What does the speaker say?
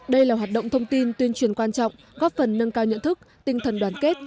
đây là hoạt động thông tin tuyên truyền quan trọng góp phần nâng cao nhận thức tinh thần đoàn kết